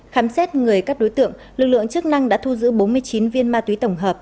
khám xét người các đối tượng lực lượng chức năng đã thu giữ bốn mươi chín viên ma túy tổng hợp